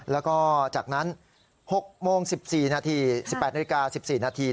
แล้วก็จากนั้น๖โมง๑๘นาที๑๔นาที